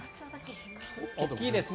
大きいですね。